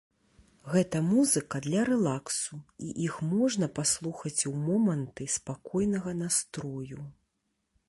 Гэта музыка для рэлаксу, і іх можна паслухаць ў моманты спакойнага настрою.